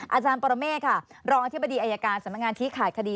อาจารย์ปรเมฆค่ะรองอธิบดีอายการสำนักงานชี้ขาดคดี